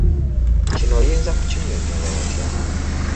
Kino oyinza kukinnyonnyola otya?